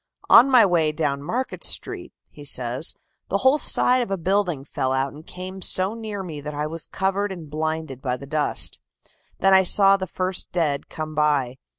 "On my way down Market Street," he says, "the whole side of a building fell out and came so near me that I was covered and blinded by the dust. Then I saw the first dead come by.